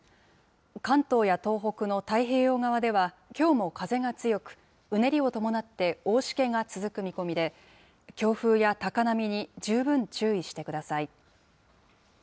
関東や東北の太平洋側では、きょうも風が強く、うねりを伴って大しけが続く見込みで、強風や高波に十分注意してください。